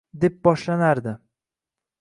deb boshlanardi